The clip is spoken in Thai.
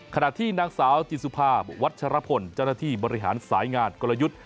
ขณะที่นางสาวจิตสุภาวัชรพลเจ้าหน้าที่บริหารสายงานกลยุทธ์